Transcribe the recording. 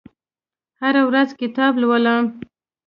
هره ورځ کتاب لولم